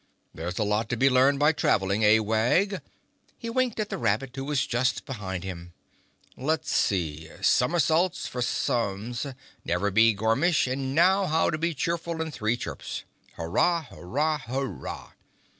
"There's a lot to be learned by traveling, eh, Wag?" He winked at the rabbit, who was just behind him. "Let's see—somersaults for sums—never be gormish—and now, how to be cheerful in three chirps. Hurrah! Hurrah! Hurrah!"